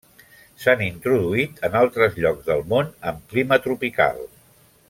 S'han introduït en altres llocs del món amb clima tropical.